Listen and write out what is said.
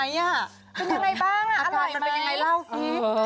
เป็นยังไงบ้างอร่อยไหมอักษร้ายเป็นยังไงเล่าพิพธิ์